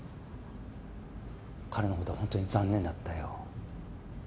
彼のことはホントに残念だったよ。